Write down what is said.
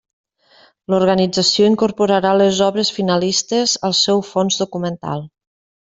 L'organització incorporarà les obres finalistes al seu fons documental.